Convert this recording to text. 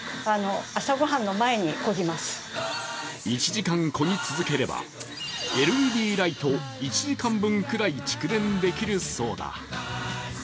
１時間こぎ続ければ、ＬＥＤライト１時間分くらい蓄電できるそうだ。